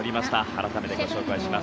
改めてご紹介します。